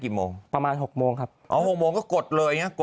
ก็ทำงานครับ